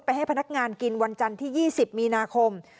ให้พนักงานกินวันจันทร์ที่๒๐มีนาคม